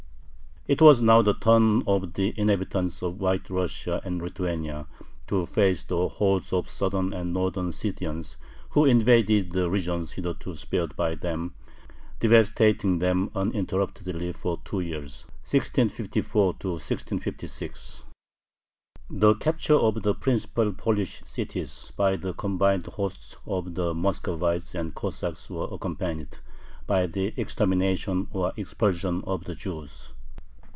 It was now the turn of the inhabitants of White Russia and Lithuania to face the hordes of southern and northern Scythians, who invaded the regions hitherto spared by them, devastating them uninterruptedly for two years (1654 1656). The capture of the principal Polish cities by the combined hosts of the Muscovites and Cossacks was accompanied by the extermination or expulsion of the Jews.